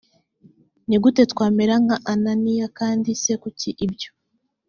ni gute twamera nka ananiya kandi se kuki ibyo